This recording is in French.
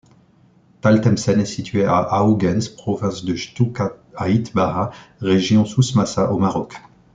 Taltemsen est situé à Aouguenz, province de Chtouka-Aït Baha, région Souss-Massa, au Maroc.